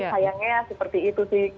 sayangnya seperti itu sih